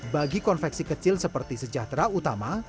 bagi konveksi kecil seperti ini